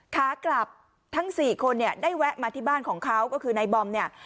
ขากลับทั้งสี่คนเนี่ยได้แวะมาที่บ้านของเขาก็คือนายบอมเนี่ย